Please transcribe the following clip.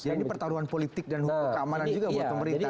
jadi ini pertaruhan politik dan keamanan juga buat pemerintah